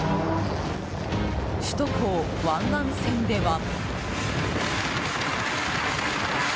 首都高・湾岸線では。